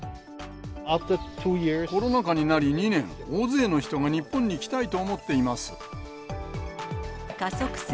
コロナ禍になり２年、大勢の人が日本に来たいと思っています。